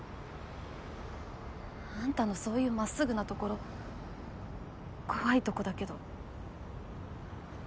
あんたのそういうまっすぐなところ怖いとこだけど。